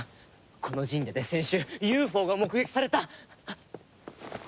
この神社で先週ＵＦＯが目撃された！